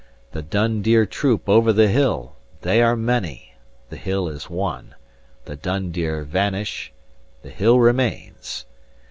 "The dun deer troop over the hill, They are many, the hill is one; The dun deer vanish, The hill remains.